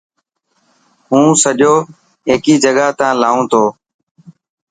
هون سجو هيڪي جڳهه تا لان تو.